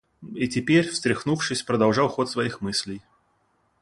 И теперь, встряхнувшись, продолжал ход своих мыслей.